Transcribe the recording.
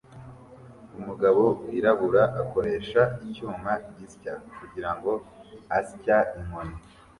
Umugabo wirabura akoresha icyuma gisya kugirango asya inkoni